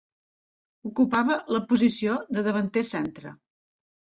Ocupava la posició de davanter centre.